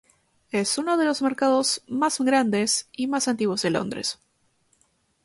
Es uno de los mercados más grandes y más antiguos de Londres.